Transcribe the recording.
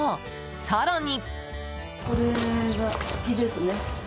更に。